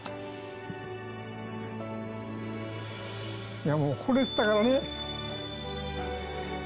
いやもう、惚れてたからね。